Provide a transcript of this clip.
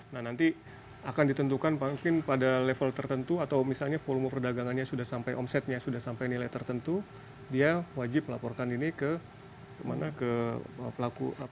nah nanti akan ditentukan mungkin pada level tertentu atau misalnya volume perdagangannya sudah sampai omsetnya sudah sampai nilai tertentu dia wajib melaporkan ini ke pelaku